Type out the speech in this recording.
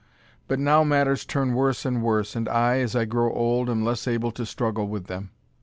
But now matters turn worse and worse, and I, as I grow old, am less able to struggle with them.